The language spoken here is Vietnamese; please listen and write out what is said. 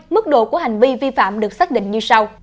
mức độ của hành vi vi phạm được xác định như sau